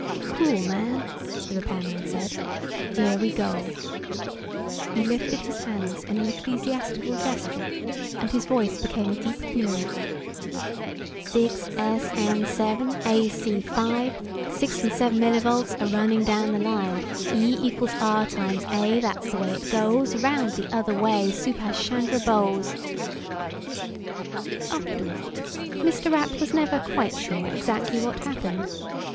"Cool, man," the repairman said. "Here we go." He lifted his hands in an ecclesiastical gesture, and his voice became a deep boom. "6SN7, 6ac5, six and seven millivolts are running down the line, E equals R times A, that's the way it goes, go round the other way, Subhas Chandra BOSE!" Afterward, Mr. Rapp was never quite sure exactly what happened.